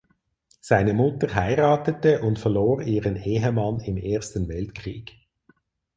Seine Mutter heiratete und verlor ihren Ehemann im Ersten Weltkrieg.